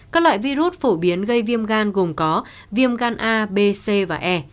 các loại virus phổ biến gây viêm gan gồm có viêm gan a b c và e